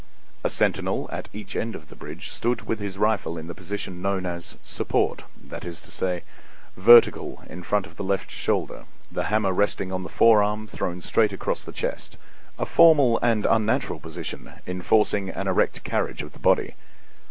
A sentinel at each end of the bridge stood with his rifle in the position known as "support," that is to say, vertical in front of the left shoulder, the hammer resting on the forearm thrown straight across the chest—a formal and unnatural position, enforcing an erect carriage of the body.